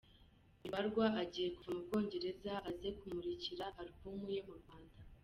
Bibarwa agiye kuva mu Bwongereza aze kumurikira Alubumu ye mu Rwanda